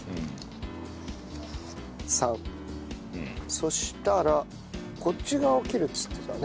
３。そしたらこっち側を切るっつってたね。